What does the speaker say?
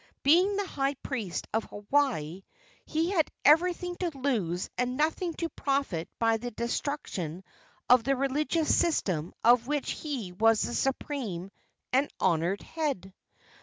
Being the high priest of Hawaii, he had everything to lose and nothing to profit by the destruction of the religious system of which he was the supreme and honored head.